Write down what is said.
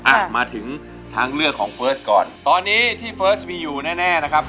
อ่ะมาถึงทางเลือกของเฟิร์สก่อนตอนนี้ที่เฟิร์สมีอยู่แน่แน่นะครับ